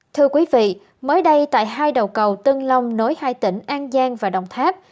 thưa quý vị mới đây tại hai đầu cầu tân long nối hai tỉnh an giang và đồng tháp